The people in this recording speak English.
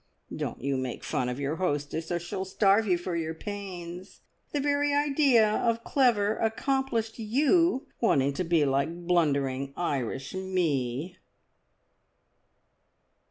"Don't you make fun of your hostess, or she'll starve you for your pains. The very idea of clever, accomplished You wanting to be like blundering Irish Me!"